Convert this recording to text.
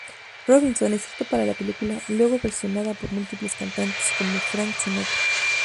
Robinson", escrito para la película; luego, versionada por múltiples cantantes, como Frank Sinatra.